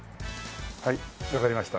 はいわかりました。